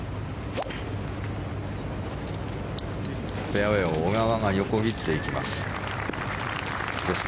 フェアウェーを小川が横切っていきます。